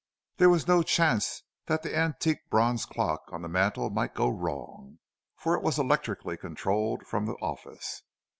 There was no chance that the antique bronze clock on the mantel might go wrong, for it was electrically controlled from the office.